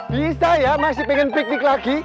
bisa ya masih pengen piknik lagi